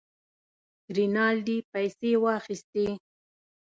رینالډي پیسې واخیستې.